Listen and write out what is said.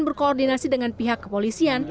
berkoordinasi dengan pihak kepolisian